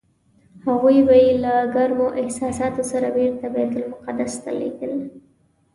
هغوی به یې له ګرمو احساساتو سره بېرته بیت المقدس ته لېږل.